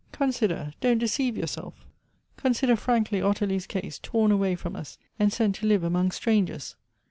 Consider, don't deceive yourself; consider frankly Ot tilie's case, torn away from us, and sent to live among strangers.